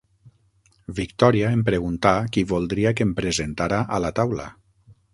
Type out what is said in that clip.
Victòria em preguntà qui voldria que em presentara a la taula.